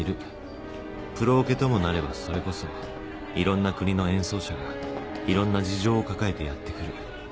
プロオケともなればそれこそいろんな国の演奏者がいろんな事情を抱えてやってくる。